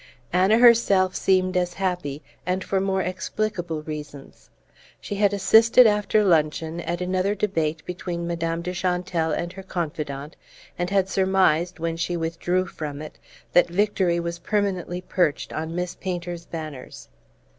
Anna herself seemed as happy, and for more explicable reasons. She had assisted, after luncheon, at another debate between Madame de Chantelle and her confidant, and had surmised, when she withdrew from it, that victory was permanently perched on Miss Painter's banners.